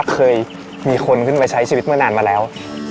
เคยมีคนขึ้นมาใช้ชีวิตเมื่อนานมาแล้ว